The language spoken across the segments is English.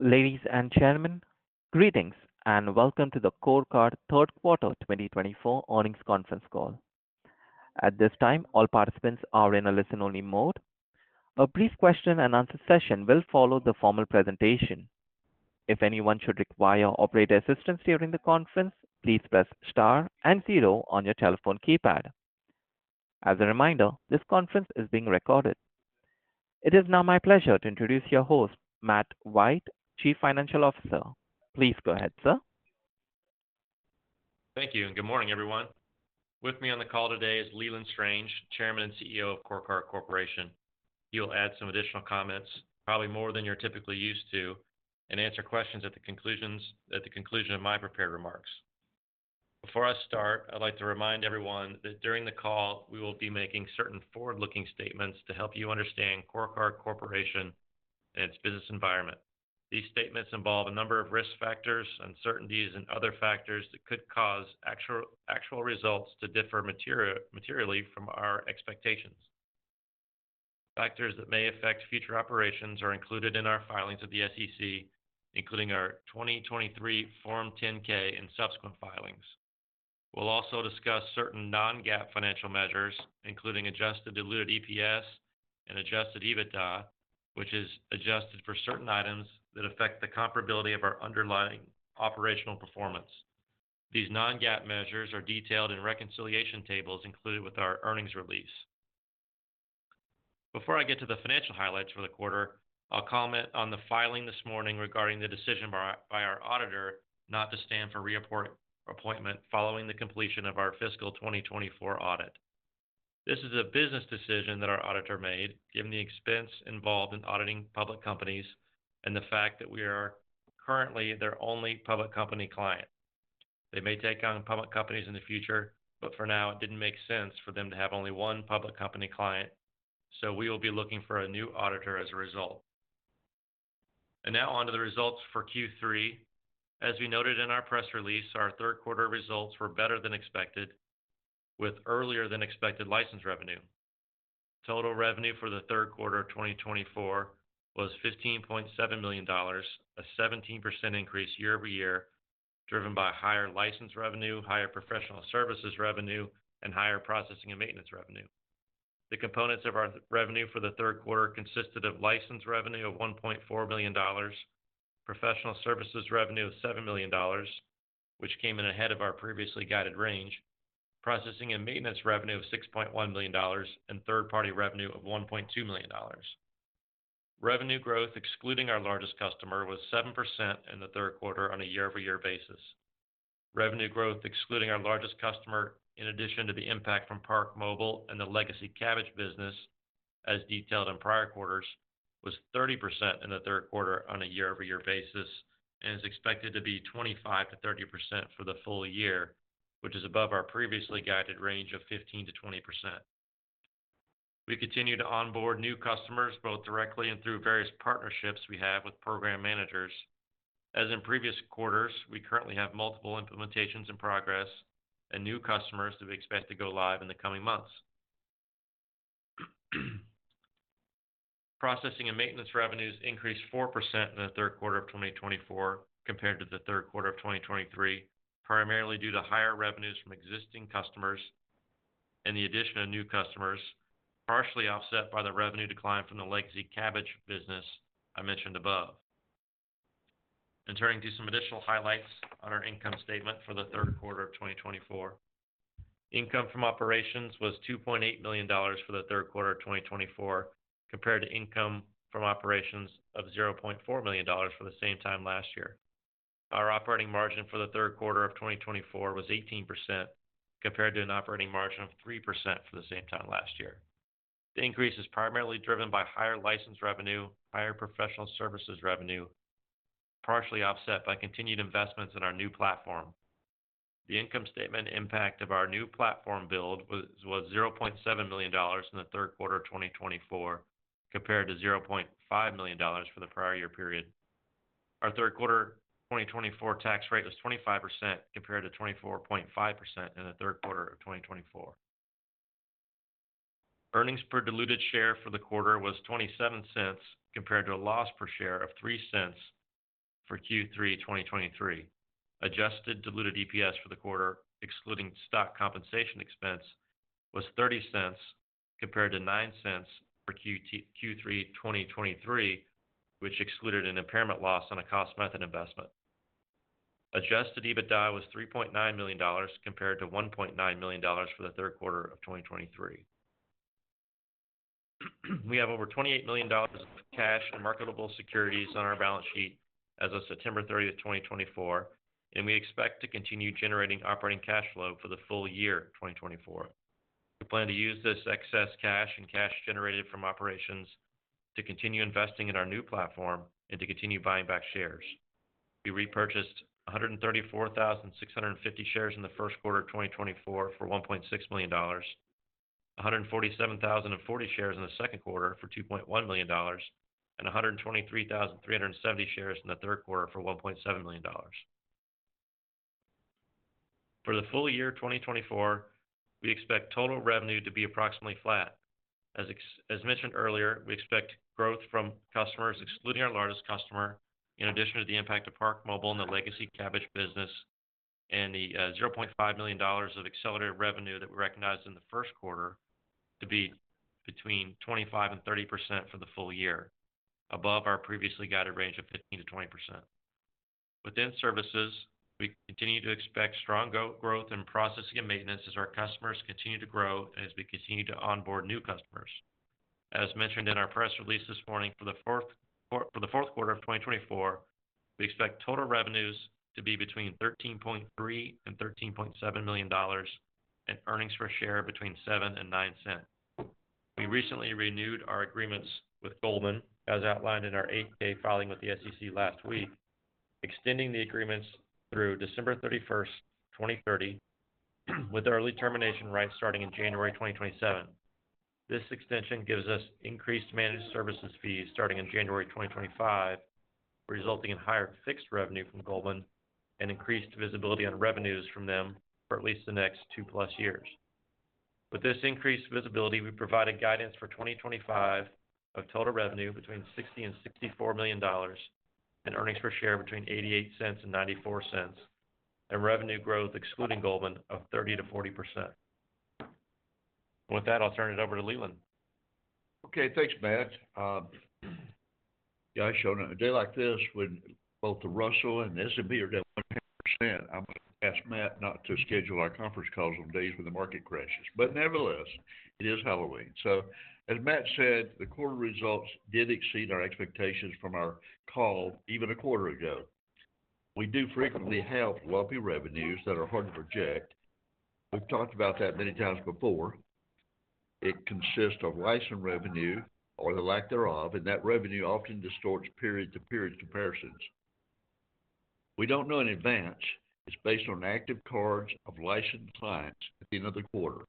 Ladies and gentlemen, greetings and welcome to the CoreCard Q3 2024 earnings conference call. At this time, all participants are in a listen-only mode. A brief question-and-answer session will follow the formal presentation. If anyone should require operator assistance during the conference, please press star and zero on your telephone keypad. As a reminder, this conference is being recorded. It is now my pleasure to introduce your host, Matt White, Chief Financial Officer. Please go ahead, sir. Thank you, and good morning, everyone. With me on the call today is Leland Strange, Chairman and CEO of CoreCard Corporation. He will add some additional comments, probably more than you're typically used to, and answer questions at the conclusion of my prepared remarks. Before I start, I'd like to remind everyone that during the call, we will be making certain forward-looking statements to help you understand CoreCard Corporation and its business environment. These statements involve a number of risk factors, uncertainties, and other factors that could cause actual results to differ materially from our expectations. Factors that may affect future operations are included in our filings at the SEC, including our 2023 Form 10-K and subsequent filings. We'll also discuss certain non-GAAP financial measures, including adjusted diluted EPS and adjusted EBITDA, which is adjusted for certain items that affect the comparability of our underlying operational performance. These non-GAAP measures are detailed in reconciliation tables included with our earnings release. Before I get to the financial highlights for the quarter, I'll comment on the filing this morning regarding the decision by our auditor not to stand for reappointment following the completion of our fiscal 2024 audit. This is a business decision that our auditor made, given the expense involved in auditing public companies and the fact that we are currently their only public company client. They may take on public companies in the future, but for now, it didn't make sense for them to have only one public company client, so we will be looking for a new auditor as a result. Now on to the results for Q3. As we noted in our press release, our third quarter results were better than expected, with earlier-than-expected license revenue. Total revenue for the third quarter 2024 was $15.7 million, a 17% increase year-over-year, driven by higher license revenue, higher professional services revenue, and higher processing and maintenance revenue. The components of our revenue for the third quarter consisted of license revenue of $1.4 million, professional services revenue of $7 million, which came in ahead of our previously guided range, processing and maintenance revenue of $6.1 million, and third-party revenue of $1.2 million. Revenue growth, excluding our largest customer, was 7% in the third quarter on a year-over-year basis. Revenue growth, excluding our largest customer, in addition to the impact from ParkMobile and the legacy Kabbage business, as detailed in prior quarters, was 30% in the third quarter on a year-over-year basis and is expected to be 25%-30% for the full year, which is above our previously guided range of 15%-20%. We continue to onboard new customers both directly and through various partnerships we have with program managers. As in previous quarters, we currently have multiple implementations in progress and new customers that we expect to go live in the coming months. Processing and maintenance revenues increased 4% in the third quarter 2024 compared to the third quarter 2023, primarily due to higher revenues from existing customers and the addition of new customers, partially offset by the revenue decline from the legacy Kabbage business I mentioned above. And turning to some additional highlights on our income statement for the third quarter 2024, income from operations was $2.8 million for the third quarter 2024 compared to income from operations of $0.4 million for the same time last year. Our operating margin for the third quarter 2024 was 18% compared to an operating margin of 3% for the same time last year. The increase is primarily driven by higher license revenue, higher professional services revenue, partially offset by continued investments in our new platform. The income statement impact of our new platform build was $0.7 million in the third quarter 2024 compared to $0.5 million for the prior year period. Our third quarter 2024 tax rate was 25% compared to 24.5% in the third quarter 2023. Earnings per diluted share for the quarter was $0.27 compared to a loss per share of $0.03 for Q3 2023. Adjusted diluted EPS for the quarter, excluding stock compensation expense, was $0.30 compared to $0.09 for Q3 2023, which excluded an impairment loss on a cost method investment. Adjusted EBITDA was $3.9 million compared to $1.9 million for the third quarter 2023. We have over $28 million of cash and marketable securities on our balance sheet as of September 30th, 2024, and we expect to continue generating operating cash flow for the full year 2024. We plan to use this excess cash and cash generated from operations to continue investing in our new platform and to continue buying back shares. We repurchased 134,650 shares in the first quarter of 2024 for $1.6 million, 147,040 shares in the second quarter for $2.1 million, and 123,370 shares in the third quarter for $1.7 million. For the full year 2024, we expect total revenue to be approximately flat. As mentioned earlier, we expect growth from customers, excluding our largest customer, in addition to the impact of ParkMobile and the legacy Kabbage business and the $0.5 million of accelerated revenue that we recognized in the first quarter to be between 25% and 30% for the full year, above our previously guided range of 15%-20%. Within services, we continue to expect strong growth in processing and maintenance as our customers continue to grow and as we continue to onboard new customers. As mentioned in our press release this morning, for the fourth quarter of 2024, we expect total revenues to be between $13.3 million-$13.7 million and earnings per share between $0.07-$0.09. We recently renewed our agreements with Goldman, as outlined in our 8-K filing with the SEC last week, extending the agreements through December 31st, 2030, with early termination rights starting in January 2027. This extension gives us increased managed services fees starting in January 2025, resulting in higher fixed revenue from Goldman and increased visibility on revenues from them for at least the next 2+ years. With this increased visibility, we provided guidance for 2025 of total revenue between $60 million-$64 million and earnings per share between $0.88-$0.94 and revenue growth, excluding Goldman, of 30%-40%. With that, I'll turn it over to Leland. Okay, thanks, Matt. Yeah, I showed a day like this when both the Russell and the S&P are down 10%. I'm going to ask Matt not to schedule our conference calls on days when the market crashes, but nevertheless, it is Halloween, so as Matt said, the quarter results did exceed our expectations from our call even a quarter ago. We do frequently have lumpy revenues that are hard to project. We've talked about that many times before. It consists of license revenue or the lack thereof, and that revenue often distorts period-to-period comparisons. We don't know in advance. It's based on active cards of licensed clients at the end of the quarter.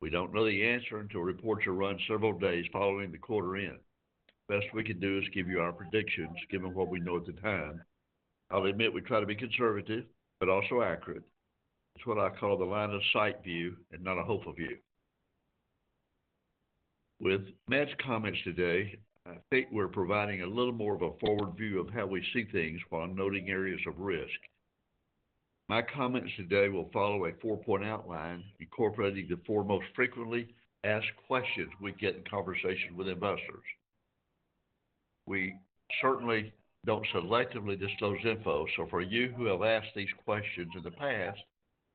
We don't know the answer until reports are run several days following the quarter end. Best we can do is give you our predictions, given what we know at the time. I'll admit we try to be conservative, but also accurate. It's what I call the line-of-sight view and not a hopeful view. With Matt's comments today, I think we're providing a little more of a forward view of how we see things while noting areas of risk. My comments today will follow a four-point outline, incorporating the four most frequently asked questions we get in conversations with investors. We certainly don't selectively disclose info, so for you who have asked these questions in the past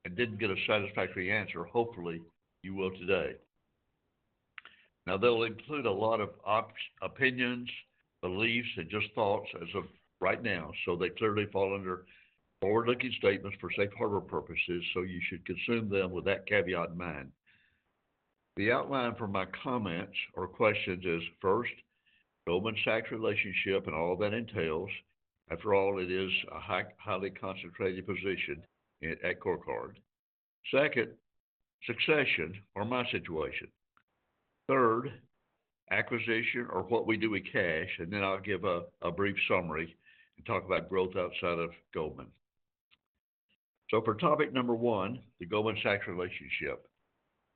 and didn't get a satisfactory answer, hopefully you will today. Now, they'll include a lot of opinions, beliefs, and just thoughts as of right now, so they clearly fall under forward-looking statements for safe harbor purposes, so you should consume them with that caveat in mind. The outline for my comments or questions is, first, Goldman Sachs' relationship and all that entails. After all, it is a highly concentrated position at CoreCard. Second, succession or my situation. Third, acquisition or what we do with cash, and then I'll give a brief summary and talk about growth outside of Goldman. So, for topic number one, the Goldman Sachs relationship,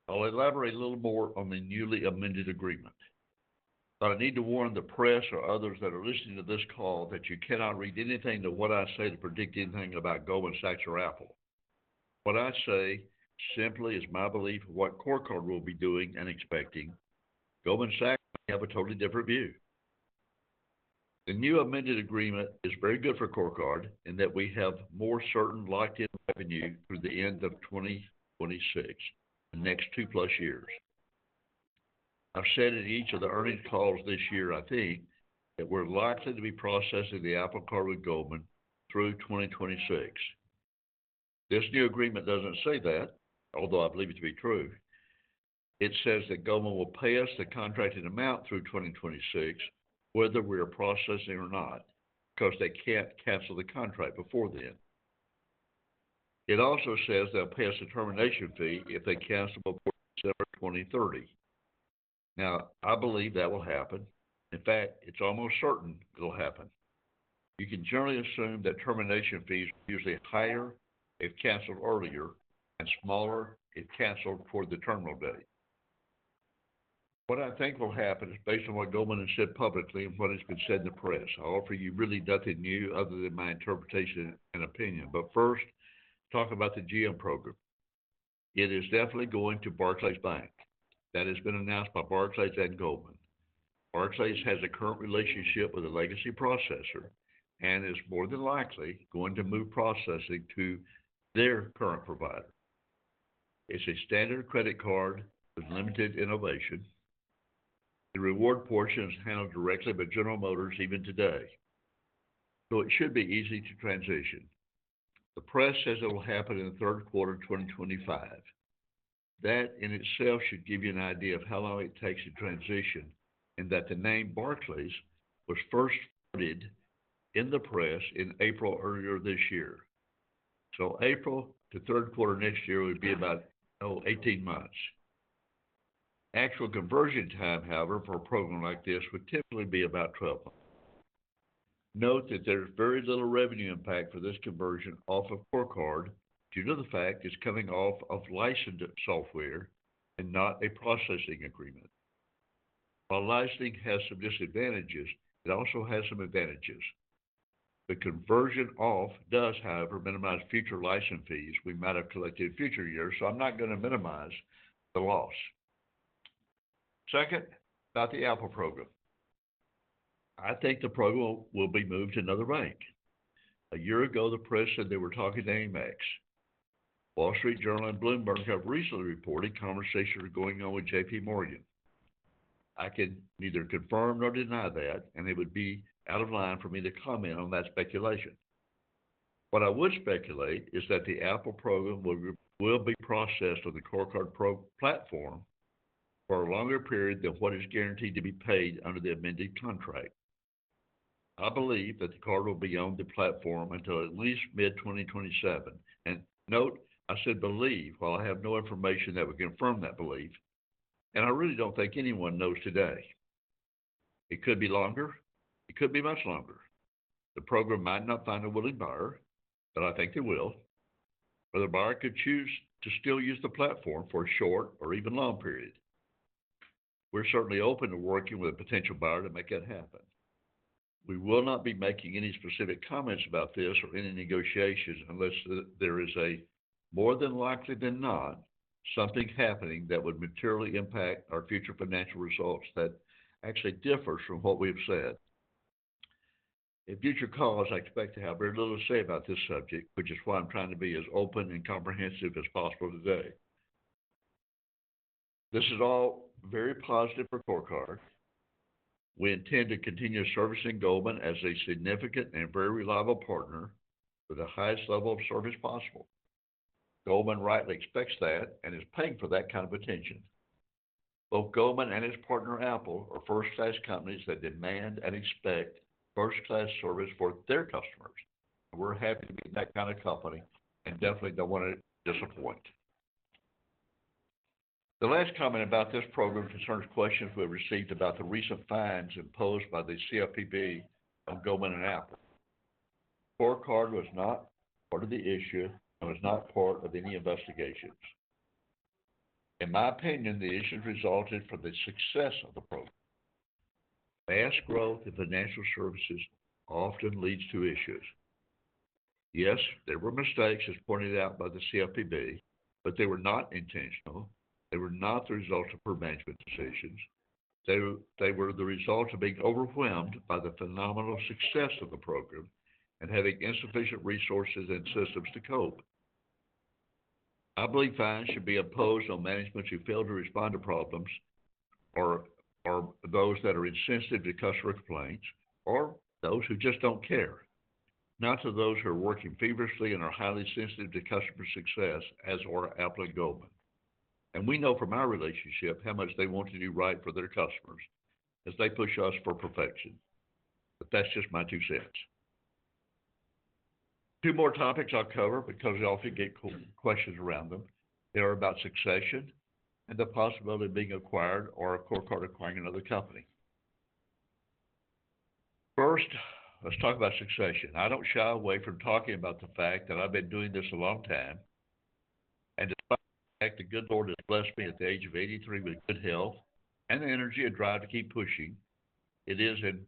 I'll elaborate a little more on the newly amended agreement. But I need to warn the press or others that are listening to this call that you cannot read anything to what I say to predict anything about Goldman Sachs or Apple. What I say simply is my belief of what CoreCard will be doing and expecting. Goldman Sachs may have a totally different view. The new amended agreement is very good for CoreCard in that we have more certain locked-in revenue through the end of 2026, the next 2+ years. I've said in each of the earnings calls this year, I think, that we're likely to be processing the Apple Card with Goldman through 2026. This new agreement doesn't say that, although I believe it to be true. It says that Goldman will pay us the contracted amount through 2026, whether we are processing or not, because they can't cancel the contract before then. It also says they'll pay us a termination fee if they cancel before December 2030. Now, I believe that will happen. In fact, it's almost certain it'll happen. You can generally assume that termination fees are usually higher if canceled earlier and smaller if canceled toward the terminal day. What I think will happen is based on what Goldman has said publicly and what has been said in the press. I'll offer you really nothing new other than my interpretation and opinion. But first, talk about the GM program. It is definitely going to Barclays Bank. That has been announced by Barclays and Goldman. Barclays has a current relationship with a legacy processor and is more than likely going to move processing to their current provider. It's a standard credit card with limited innovation. The reward portion is handled directly by General Motors even today, so it should be easy to transition. The press says it'll happen in the third quarter of 2025. That in itself should give you an idea of how long it takes to transition and that the name Barclays was first noted in the press in April earlier this year. So, April to third quarter next year would be about 18 months. Actual conversion time, however, for a program like this would typically be about 12 months. Note that there's very little revenue impact for this conversion off of CoreCard due to the fact it's coming off of licensed software and not a processing agreement. While licensing has some disadvantages, it also has some advantages. The conversion off does, however, minimize future license fees we might have collected in future years, so I'm not going to minimize the loss. Second, about the Apple program. I think the program will be moved to another bank. A year ago, the press said they were talking to AmEx. Wall Street Journal and Bloomberg have recently reported conversations are going on with JPMorgan. I can neither confirm nor deny that, and it would be out of line for me to comment on that speculation. What I would speculate is that the Apple program will be processed on the CoreCard platform for a longer period than what is guaranteed to be paid under the amended contract. I believe that the card will be on the platform until at least mid-2027, and note, I said believe while I have no information that would confirm that belief, and I really don't think anyone knows today. It could be longer. It could be much longer. The program might not find a willing buyer, but I think they will, or the buyer could choose to still use the platform for a short or even long period. We're certainly open to working with a potential buyer to make that happen. We will not be making any specific comments about this or any negotiations unless there is a more likely than not something happening that would materially impact our future financial results that actually differs from what we have said. In future calls, I expect to have very little to say about this subject, which is why I'm trying to be as open and comprehensive as possible today. This is all very positive for CoreCard. We intend to continue servicing Goldman as a significant and very reliable partner with the highest level of service possible. Goldman rightly expects that and is paying for that kind of attention. Both Goldman and its partner, Apple, are first-class companies that demand and expect first-class service for their customers. We're happy to be that kind of company and definitely don't want to disappoint. The last comment about this program concerns questions we've received about the recent fines imposed by the CFPB on Goldman and Apple. CoreCard was not part of the issue and was not part of any investigations. In my opinion, the issues resulted from the success of the program. Mass growth in financial services often leads to issues. Yes, there were mistakes, as pointed out by the CFPB, but they were not intentional. They were not the result of poor management decisions. They were the result of being overwhelmed by the phenomenal success of the program and having insufficient resources and systems to cope. I believe fines should be imposed on management who fail to respond to problems or those that are insensitive to customer complaints or those who just don't care, not to those who are working feverishly and are highly sensitive to customer success as are Apple and Goldman. And we know from our relationship how much they want to do right for their customers as they push us for perfection. But that's just my two cents. Two more topics I'll cover because I often get questions around them. They are about succession and the possibility of being acquired or CoreCard acquiring another company. First, let's talk about succession. I don't shy away from talking about the fact that I've been doing this a long time. And despite the fact that good Lord has blessed me at the age of 83 with good health and the energy and drive to keep pushing, it is, in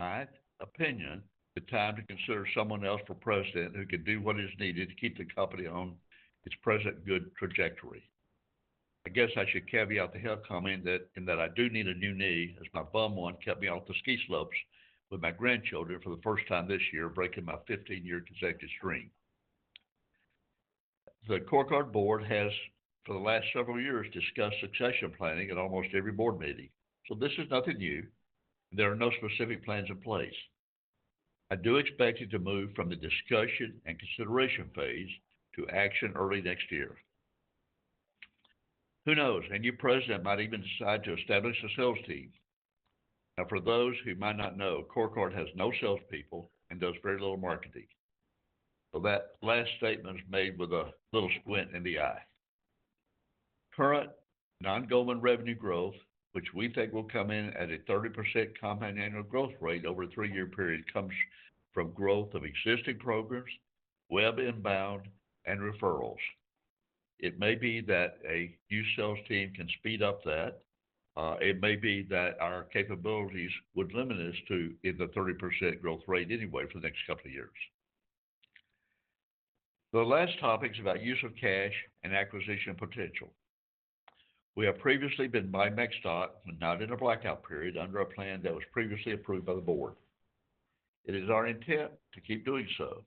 my opinion, the time to consider someone else for president who can do what is needed to keep the company on its present good trajectory. I guess I should caveat the health comment in that I do need a new knee as my bum one kept me off the ski slopes with my grandchildren for the first time this year, breaking my 15-year consecutive streak. The CoreCard board has, for the last several years, discussed succession planning at almost every board meeting. So this is nothing new, and there are no specific plans in place. I do expect it to move from the discussion and consideration phase to action early next year. Who knows? A new president might even decide to establish a sales team. Now, for those who might not know, CoreCard has no salespeople and does very little marketing. So that last statement is made with a little squint in the eye. Current non-Goldman revenue growth, which we think will come in at a 30% compound annual growth rate over a three-year period, comes from growth of existing programs, web inbound, and referrals. It may be that a new sales team can speed up that. It may be that our capabilities would limit us to the 30% growth rate anyway for the next couple of years. The last topic is about use of cash and acquisition potential. We have previously been buying back stock, but not in a blackout period under a plan that was previously approved by the board. It is our intent to keep doing so.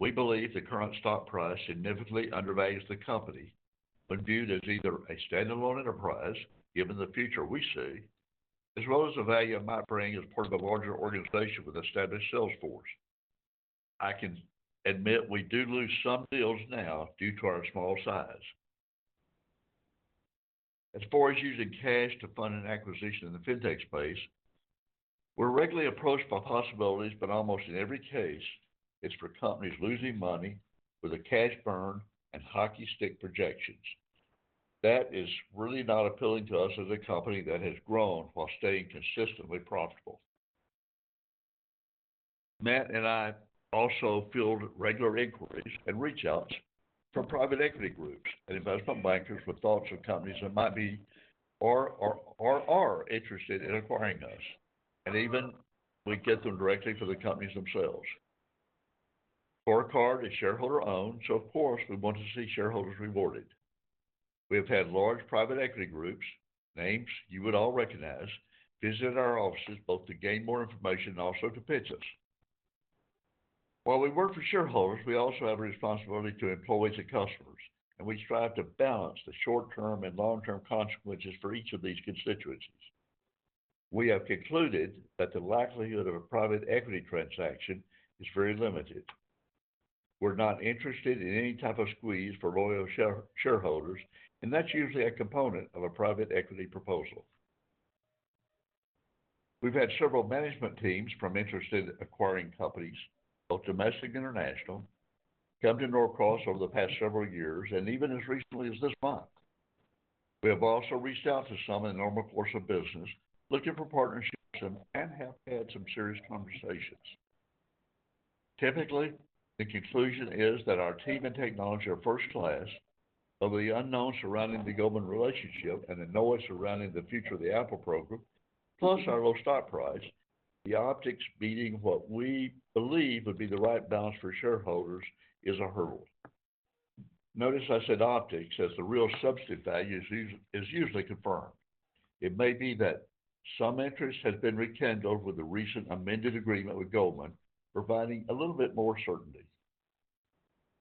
We believe the current stock price significantly undervalues the company when viewed as either a standalone enterprise, given the future we see, as well as the value it might bring as part of a larger organization with established sales force. I can admit we do lose some deals now due to our small size. As far as using cash to fund an acquisition in the fintech space, we're regularly approached by possibilities, but almost in every case, it's for companies losing money with a cash burn and hockey stick projections. That is really not appealing to us as a company that has grown while staying consistently profitable. Matt and I also field regular inquiries and reach outs from private equity groups and investment bankers with thoughts of companies that might be or are interested in acquiring us. And even we get them directly for the companies themselves. CoreCard is shareholder-owned, so of course, we want to see shareholders rewarded. We have had large private equity groups, names you would all recognize, visit our offices both to gain more information and also to pitch us. While we work for shareholders, we also have a responsibility to employees and customers, and we strive to balance the short-term and long-term consequences for each of these constituencies. We have concluded that the likelihood of a private equity transaction is very limited. We're not interested in any type of squeeze for loyal shareholders, and that's usually a component of a private equity proposal. We've had several management teams from interested acquiring companies, both domestic and international, come to Norcross over the past several years and even as recently as this month. We have also reached out to some in normal course of business, looking for partnerships, and have had some serious conversations. Typically, the conclusion is that our team and technology are first-class, but with the unknowns surrounding the Goldman relationship and the knowledge surrounding the future of the Apple program, plus our low stock price, the optics meeting what we believe would be the right balance for shareholders is a hurdle. Notice I said optics as the real substantive value is usually confirmed. It may be that some interest has been rekindled with the recent amended agreement with Goldman, providing a little bit more certainty.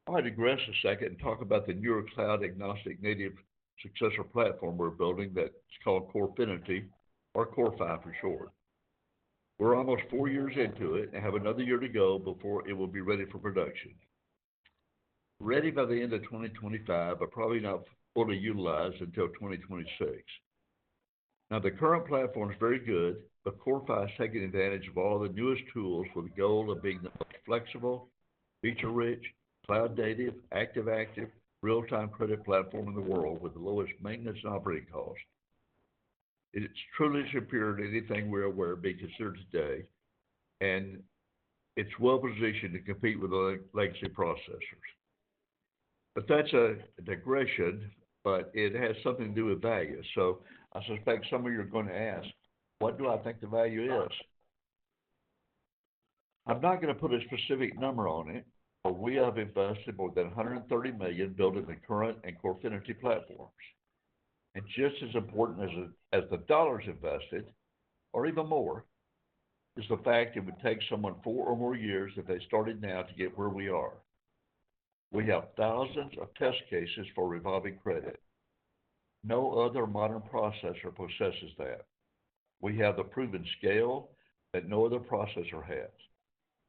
I might digress for a second and talk about the newer cloud-agnostic, cloud-native successor platform we're building that's called CoreFinity or CoreFi for short. We're almost four years into it and have another year to go before it will be ready for production. Ready by the end of 2025, but probably not fully utilized until 2026. Now, the current platform is very good, but CoreFi is taking advantage of all the newest tools for the goal of being the most flexible, feature-rich, cloud-native, active-active, real-time credit platform in the world with the lowest maintenance and operating costs. It's truly superior to anything we're aware of being considered today, and it's well-positioned to compete with the legacy processors. But that's a digression, but it has something to do with value. So I suspect some of you are going to ask, "What do I think the value is?" I'm not going to put a specific number on it, but we have invested more than $130 million building the current and CoreFinity platforms. And just as important as the dollars invested, or even more, is the fact it would take someone four or more years if they started now to get where we are. We have thousands of test cases for revolving credit. No other modern processor possesses that. We have the proven scale that no other processor has.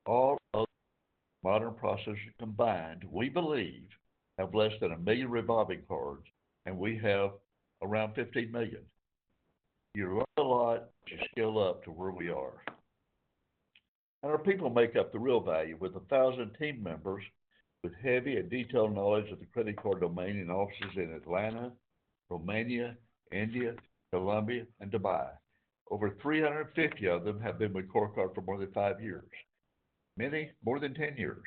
All other modern processors combined, we believe, have less than a million revolving cards, and we have around 15 million. You run a lot, you scale up to where we are, and our people make up the real value with 1,000 team members with heavy and detailed knowledge of the credit card domain in offices in Atlanta, Romania, India, Colombia, and Dubai. Over 350 of them have been with CoreCard for more than five years, many more than 10 years.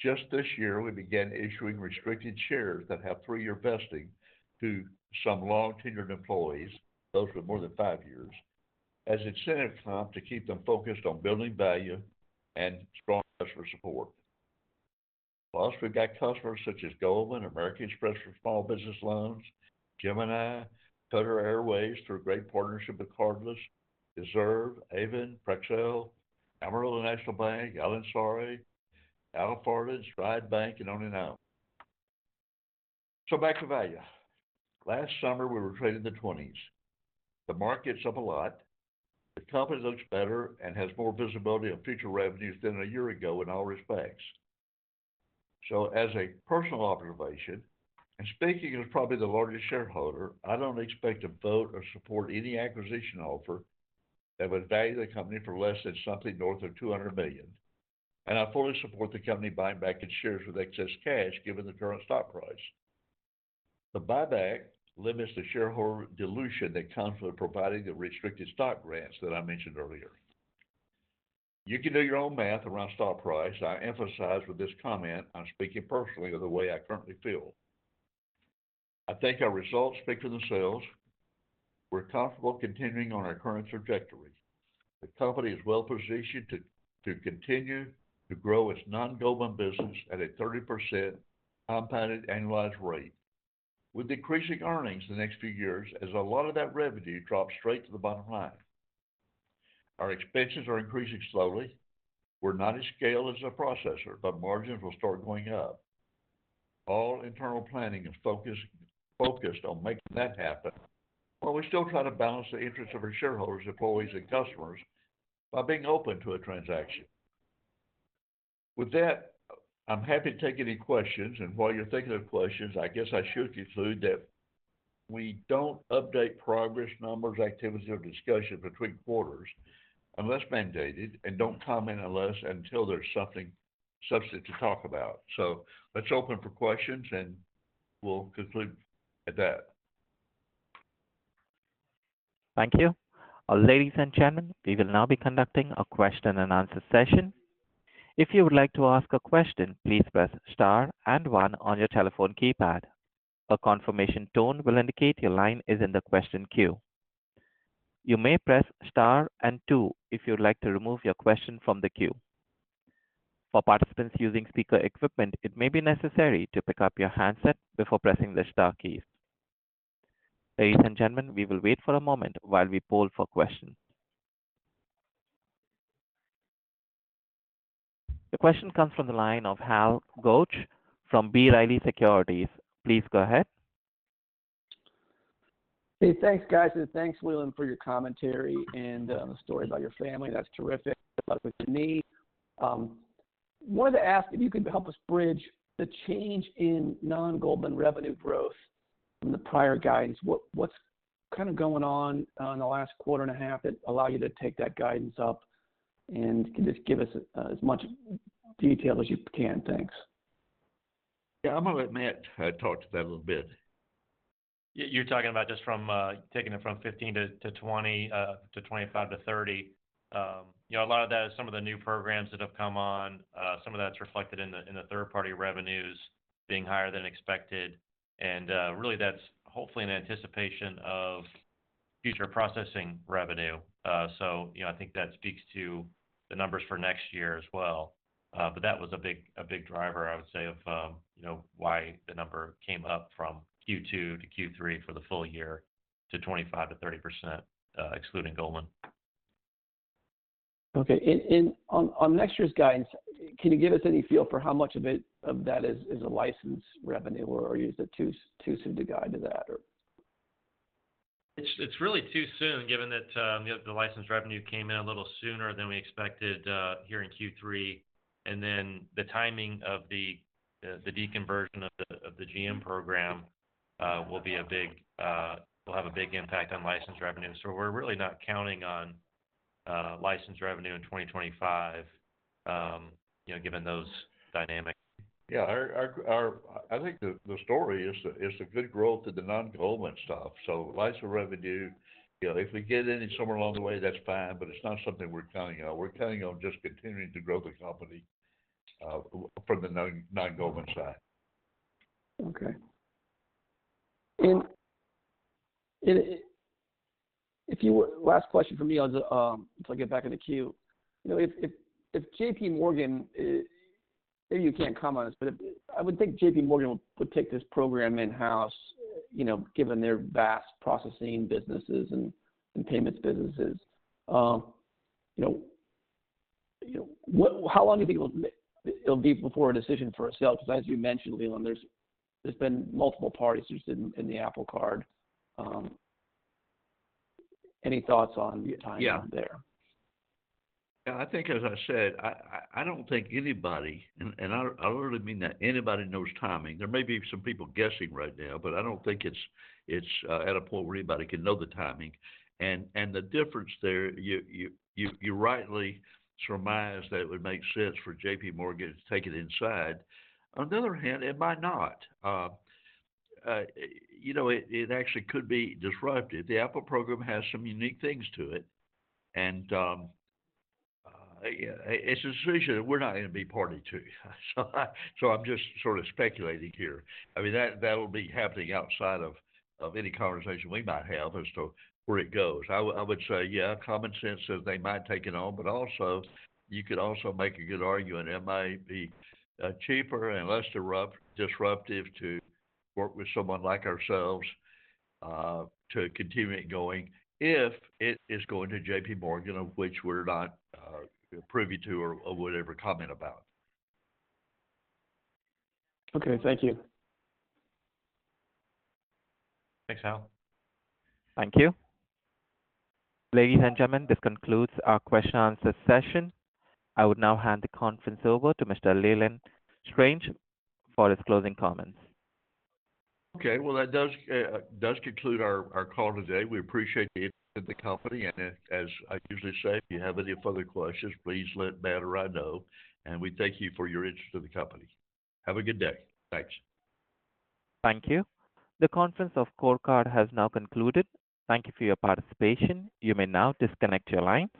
Just this year, we began issuing restricted shares that have three-year vesting to some long-tenured employees, those with more than five years, as incentive comp to keep them focused on building value and strong customer support. Plus, we've got customers such as Goldman, American Express for small business loans, Gemini, Qatar Airways through a great partnership with Cardless, Deserve, Avon, Praxell, Amarillo National Bank, L&R, Alfardan, Stride Bank, and on and on. So back to value. Last summer, we were trading the 20s. The market's up a lot. The company looks better and has more visibility on future revenues than a year ago in all respects. So as a personal observation, and speaking as probably the largest shareholder, I don't expect to vote or support any acquisition offer that would value the company for less than something north of $200 million. And I fully support the company buying back its shares with excess cash given the current stock price. The buyback limits the shareholder dilution that comes with providing the restricted stock grants that I mentioned earlier. You can do your own math around stock price. I emphasize with this comment, I'm speaking personally of the way I currently feel. I think our results speak for themselves. We're comfortable continuing on our current trajectory. The company is well-positioned to continue to grow its non-Goldman business at a 30% compounded annualized rate, with decreasing earnings the next few years as a lot of that revenue drops straight to the bottom line. Our expenses are increasing slowly. We're not as scaled as a processor, but margins will start going up. All internal planning is focused on making that happen, while we still try to balance the interests of our shareholders, employees, and customers by being open to a transaction. With that, I'm happy to take any questions. And while you're thinking of questions, I guess I should conclude that we don't update progress, numbers, activity, or discussion between quarters unless mandated and don't comment unless until there's something substantive to talk about. So let's open for questions, and we'll conclude at that. Thank you. Ladies and gentlemen, we will now be conducting a question-and-answer session. If you would like to ask a question, please press star and one on your telephone keypad. A confirmation tone will indicate your line is in the question queue. You may press star and two if you'd like to remove your question from the queue. For participants using speaker equipment, it may be necessary to pick up your handset before pressing the star keys. Ladies and gentlemen, we will wait for a moment while we poll for questions. The question comes from the line of Hal Goetsch from B. Riley Securities. Please go ahead. Hey, thanks, guys. And thanks, Leland, for your commentary and the story about your family. That's terrific. Good luck with your knee. Wanted to ask if you could help us bridge the change in non-Goldman revenue growth from the prior guidance. What's kind of going on in the last quarter and a half that allowed you to take that guidance up? And can just give us as much detail as you can. Thanks. Yeah, I'm going to let Matt talk to that a little bit. You're talking about just from taking it from 15%-20% to 25%-30%. A lot of that is some of the new programs that have come on. Some of that's reflected in the third-party revenues being higher than expected. And really, that's hopefully in anticipation of future processing revenue. So I think that speaks to the numbers for next year as well. But that was a big driver, I would say, of why the number came up from Q2 to Q3 for the full year to 25%-30%, excluding Goldman. Okay. And on next year's guidance, can you give us any feel for how much of that is a license revenue, or is it too soon to guide to that? It's really too soon, given that the license revenue came in a little sooner than we expected here in Q3. And then the timing of the deconversion of the GM program will have a big impact on license revenue. So we're really not counting on license revenue in 2025, given those dynamics. Yeah. I think the story is a good growth of the non-Goldman stuff. So license revenue, if we get any somewhere along the way, that's fine. But it's not something we're counting on. We're counting on just continuing to grow the company from the non-Goldman side. Okay. And last question for me as I get back in the queue. If JPMorgan, maybe you can't comment on this, but I would think JPMorgan would take this program in-house, given their vast processing businesses and payments businesses. How long do you think it'll be before a decision for a sale? Because as you mentioned, Leland, there's been multiple parties interested in the Apple Card. Any thoughts on the timing there? Yeah. I think, as I said, I don't think anybody, and I don't really mean that anybody knows timing. There may be some people guessing right now, but I don't think it's at a point where anybody can know the timing. The difference there, you rightly surmised that it would make sense for JPMorgan to take it inside. On the other hand, it might not. It actually could be disruptive. The Apple program has some unique things to it. It's a decision we're not going to be party to. I'm just sort of speculating here. I mean, that'll be happening outside of any conversation we might have as to where it goes. I would say, yeah, common sense that they might take it on, but also you could also make a good argument, it might be cheaper and less disruptive to work with someone like ourselves to continue it going if it is going to JPMorgan, of which we're not privy to or would ever comment about. Okay. Thank you. Thanks, Hal. Thank you. Ladies and gentlemen, this concludes our question-and-answer session. I would now hand the conference over to Mr. Leland Strange for his closing comments. Okay. Well, that does conclude our call today. We appreciate the interest in the company. And as I usually say, if you have any further questions, please let Matt or I know. And we thank you for your interest in the company. Have a good day. Thanks. Thank you. The conference of CoreCard has now concluded. Thank you for your participation. You may now disconnect your lines.